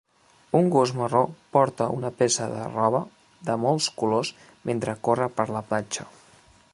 Un gos marró porta una peça de roba de molts colors mentre corre per la platja